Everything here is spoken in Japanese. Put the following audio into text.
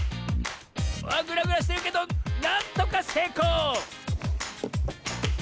あっグラグラしてるけどなんとかせいこう！